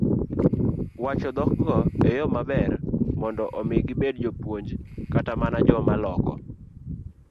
wacho dhokgo e yo maber mondo omi gibed jopuonj kata mana joma loko